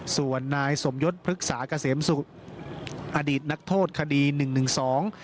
ส่วนนายสมยศพฤกษาเกษมสุอดีตนักโทษคดีหนึ่งหนึ่งสอง